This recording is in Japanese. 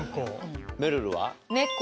めるるは？